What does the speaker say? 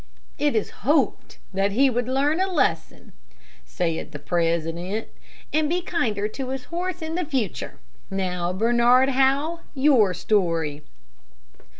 "It is to be hoped that he would learn a lesson," said the president, "and be kinder to his horse in the future. Now, Bernard Howe, your story."